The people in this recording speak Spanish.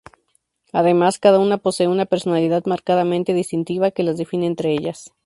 Además, cada una posee una personalidad marcadamente distintiva que las define entre ellas.